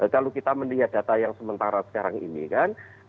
kalau kita melihat data yang sementara sekarang ini kan